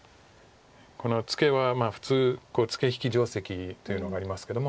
このツケは普通ツケ引き定石というのがありますけども。